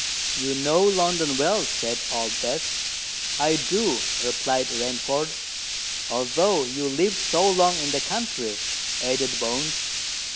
"You know London well," said Old Death. "I do," replied Rainford. "Although you lived so long in the country," added Bones.